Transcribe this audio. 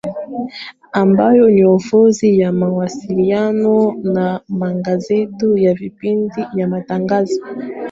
Ambayo ni ofisi ya Mawasiliano na Magazeti na vipindi vya matangazo